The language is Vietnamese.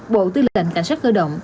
bộ tư lệnh cảnh sát cơ động